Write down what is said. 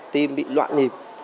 tim bị loạn nhịp